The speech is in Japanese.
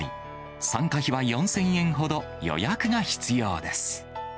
参加費は４０００円ほど、予約が必要です。